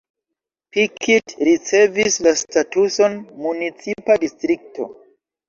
Pikit ricevis la statuson municipa distrikto.